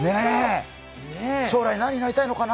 将来何になりたいのかな？